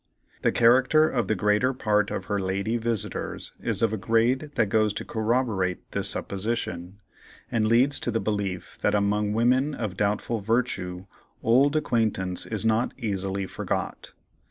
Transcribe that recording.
The character of the greater part of her "lady" visitors is of a grade that goes to corroborate this supposition, and leads to the belief that among women of doubtful virtue "old acquaintance" is not easily "forgot."